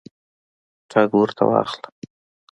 ټګ ورته واخله.